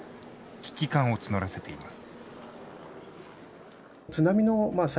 危機感を募らせています。